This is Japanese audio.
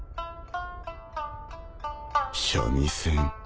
三味線？